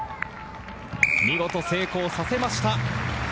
見事成功させました。